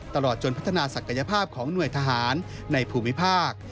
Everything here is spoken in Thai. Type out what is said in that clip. ตลอดจนพัฒนาศักยภาพของหน่วยทหารในภูมิภาค